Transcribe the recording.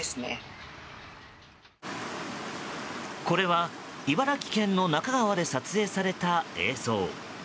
これは茨城県の那珂川で撮影された映像。